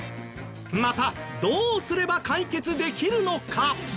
またどうすれば解決できるのか？